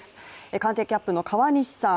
官邸キャップの川西さん